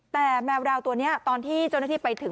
แต่แมวดาวตัวนี้ตอนที่เจ้าหน้าที่ไปถึง